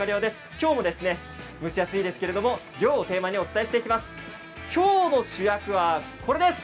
今日も蒸し暑いですけれども涼をテーマにお伝えしていきます。